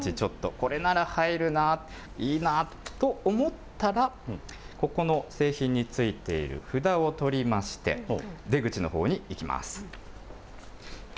これなら入るな、いいなと思ったら、ここの製品についている札を取りまして、出口のほうに行きます。